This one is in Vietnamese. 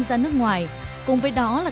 ra nước ngoài cùng với đó là